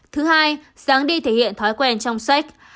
thứ hai dáng đi thể hiện thói quen trong sách